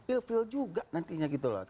ilfield juga nantinya gitu loh